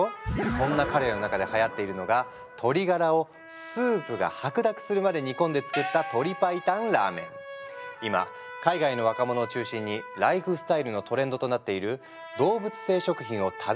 そんな彼らの中ではやっているのが鶏ガラをスープが白濁するまで煮込んで作った今海外の若者を中心にライフスタイルのトレンドとなっている「動物性食品を食べない」